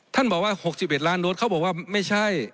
ท่านบอกว่า๖๑ล้านโดสเขาบอกว่าไม่ใช่